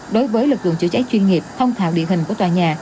đối với lật luận chữa cháy chuyên nghiệp thông thạo địa hình của tòa nhà